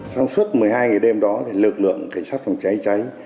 trong suốt một mươi hai ngày đêm đó lực lượng cảnh sát phòng cháy cháy